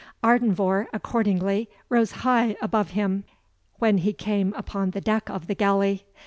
Ardenvohr, accordingly, rose high above him, when he came upon the deck of the galley.